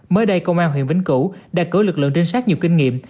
mới đây công an huyền bình cửu đã cử lực lượng trinh sát nhiều kinh nghiệm